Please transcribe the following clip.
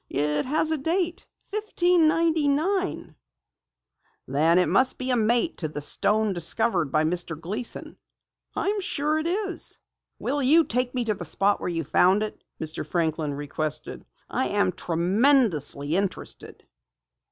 "It has a date 1599." "Then it must be a mate to the stone discovered by Mr. Gleason!" "I'm sure it is." "Will you take me to the spot where you found it?" Mr. Franklin requested. "I am tremendously interested."